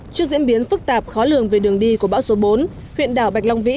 trước diễn biến phức tạp khó lường về đường đi của bão số bốn huyện đảo bạch long vĩ